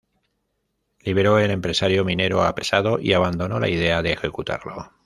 Liberó el empresario minero apresado y abandonó la idea de ejecutarlo.